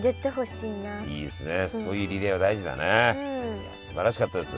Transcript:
いやすばらしかったです。